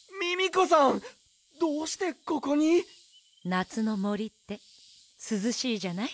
なつのもりってすずしいじゃない。